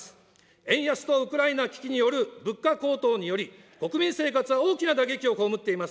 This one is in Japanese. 円安とウクライナ危機による物価高騰により、国民生活は大きな打撃を被っています。